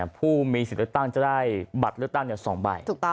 ผู้มีสิทธิ์เลือกตั้งจะได้บัตรเลือกตั้ง๒ใบ